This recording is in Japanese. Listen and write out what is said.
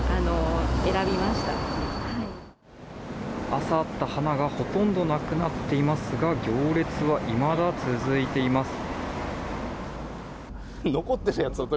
朝あった花がほとんどなくなっていますが行列はいまだ続いています。